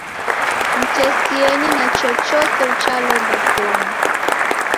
Mtesienyi na chochose uchalomba konyu